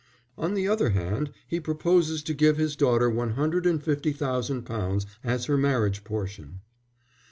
"On the other hand, he proposes to give his daughter one hundred and fifty thousand pounds as her marriage portion."